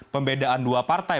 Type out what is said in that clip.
pembedaan dua partai